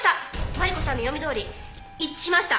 マリコさんの読みどおり一致しました。